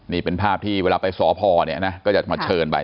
นี่เป็นภาพที่เวลาไปสพเนี่ยนะก็จะมาเชิญไป